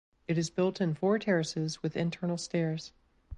It is built in four terraces with internal stairs.